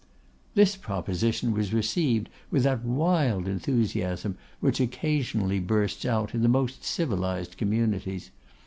This proposition was received with that wild enthusiasm which occasionally bursts out in the most civilised communities.